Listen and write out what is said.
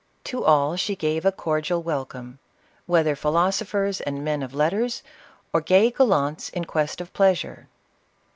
To all she gave a cordial welcome, whether philoso phers and men of letters, or gay gallants in quest of pleasure.